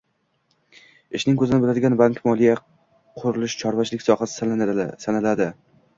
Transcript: Ishning koʻzini biladigan, bank-moliya, qurilish-chorvachilik sohasi sanaladi.